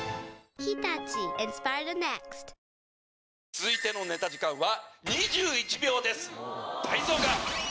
続いてのネタ時間は。